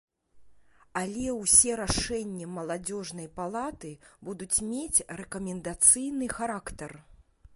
Але ўсе рашэнні маладзёжнай палаты будуць мець рэкамендацыйны характар.